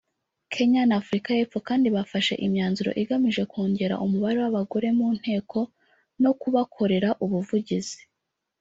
Kenya n’Afurika y’Epfo kandi bafashe imyanzuro igamije kongera umubare w’abagore mu Nteko no kubakorera ubuvugizi